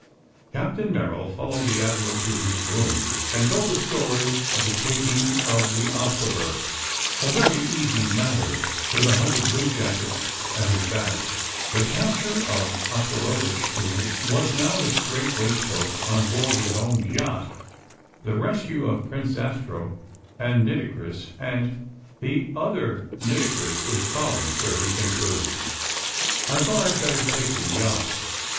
Captain Merrill followed the Admiral to his room, and told the story of the taking of the Oscarburg a very easy matter with a hundred bluejackets at his back the capture of Oscarovitch, who was now in a straight waistcoat on board his own yacht, the rescue of Prince Zastrow and Nitocris, and "The other Nitocris is following, sir," he concluded. "I thought I had better take the yacht.